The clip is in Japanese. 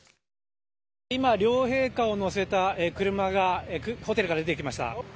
今、両陛下を乗せた車が、ホテルから出てきました。